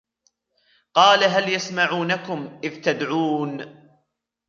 قال هل يسمعونكم إذ تدعون